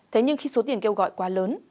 thế nhưng khi số tiền kêu gọi quá lớn